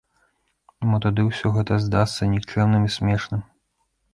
Мо тады ўсё гэта здасца нікчэмным і смешным?